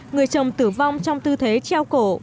người chồng tử vong trong tư thế treo cổ